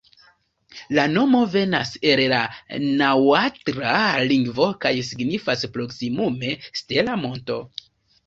La nomo venas el la naŭatla lingvo kaj signifas proksimume «stela monto».